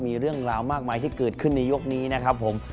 มีเรื่องราวมากมายที่เกิดขึ้นในยกนี้นะครับผม